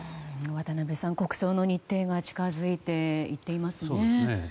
渡辺さん、国葬の日程が近づいていっていますね。